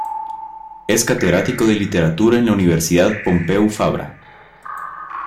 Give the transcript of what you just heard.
Es catedrático de Literatura en la Universidad Pompeu Fabra.